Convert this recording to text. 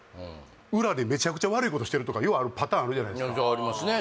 裏でめちゃくちゃ悪いことしてるとかようあるパターンあるじゃないですかありますね